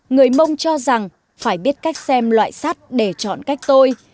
người mông cho rằng phải biết cách xem loại sắt để chọn cách tôi